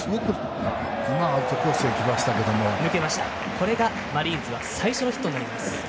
これがマリーンズの最初のヒットになります。